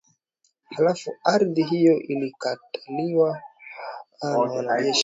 Halafu ardhi hiyo ilikaliwa na wanajeshi wa